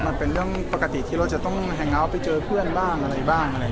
มันเป็นเรื่องปกติที่เราจะต้องแฮนด์เอาท์ไปเจอเพื่อนบ้างอะไรบ้าง